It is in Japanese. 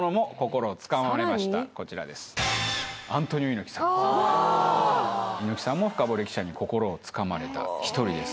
猪木さんもフカボリ記者に心をつかまれた１人です。